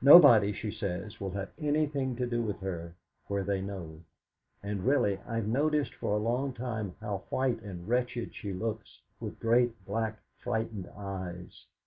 Nobody, she says, will have anything to do with her where they know; and, really, I have noticed for a long time how white and wretched she looks, with great black frightened eyes.